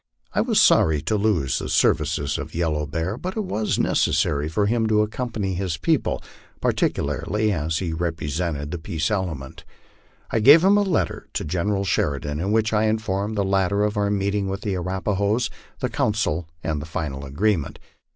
I was sorry to lose the services of Yellow Bear, but it was necessary for him to accompany his people, particular ly as he represented the peace element, I gave him a letter to General Sheri dan, in which I informed the latter of our meeting with the Arapahoes, the council, and the final agreement.